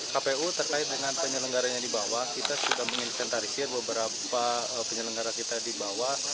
kita sudah menginsentarisir beberapa penyelenggara kita di bawah